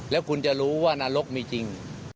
แล้วคุณจะรู้ว่านรกมีจริง